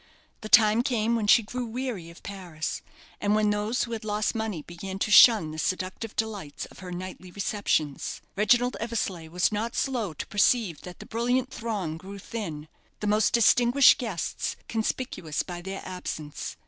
The time came when she grew weary of Paris, and when those who had lost money began to shun the seductive delights of her nightly receptions. Reginald Eversleigh was not slow to perceive that the brilliant throng grew thin the most distinguished guests "conspicuous by their absence."